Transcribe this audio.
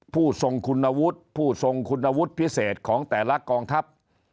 ผู้ทรงคุณวุฒิพิเศษของแต่ละกองทัพ